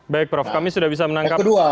baik prof kami sudah bisa menangkap kesan anda prof